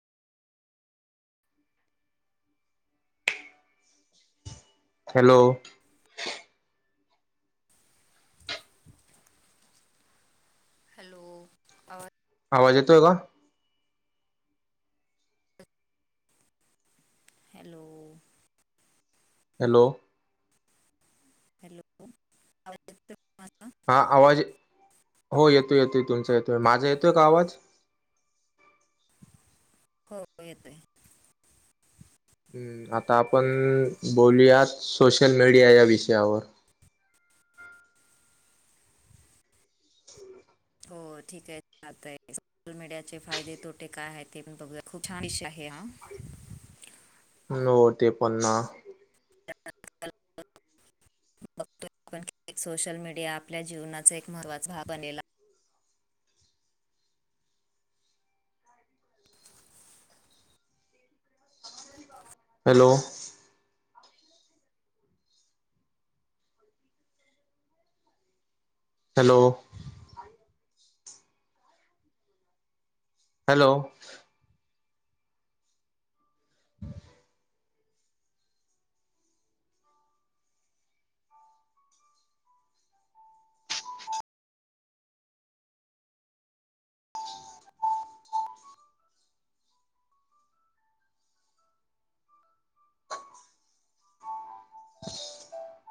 Hello. Hello! आवाज आवाज येतोय का? हॅलो! हॅलो! हॅलो! आवाज येतोय का माझा? हा आवाज, हो येतोय-येतोय, तुमचा येतोय, माझा येतोय का आवाज? हो येतोय. ह्म, आता आपण बोलूयात सोशल मीडिया या विषयावर. हो ठीक आहे, [inaudible] सोशल मीडियाचे फायदे, तोटे काय आहे, ते पण बघूया. खूप छान विषय आहे हा. नों तेपन्न [inaudible] [inaudible] सोशल मीडिया आपल्या जीवनाचा एक महत्वाचा [inaudible] बनेला. हॅलो! हॅलो! हॅलो! [inaudible] [inaudible]